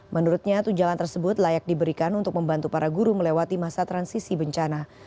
menurutnya tunjangan tersebut layak diberikan untuk membantu para guru melewati masa transisi bencana